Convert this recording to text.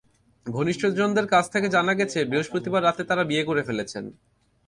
ঘনিষ্ঠজনদের কাছ থেকে জানা গেছে, বৃহস্পতিবার রাতে তাঁরা বিয়ে করে ফেলেছেন।